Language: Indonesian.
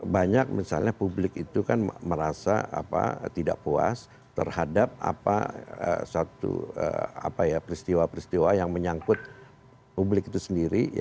banyak misalnya publik itu kan merasa tidak puas terhadap suatu peristiwa peristiwa yang menyangkut publik itu sendiri